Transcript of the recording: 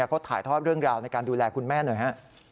เขาถ่ายทอดเรื่องราวในการดูแลคุณแม่หน่อยฮะ